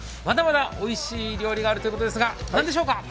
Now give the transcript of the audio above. まだまだおいしい御飯があるということですが何でしょうか。